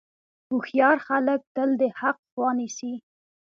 هوښیار خلک تل د حق خوا نیسي.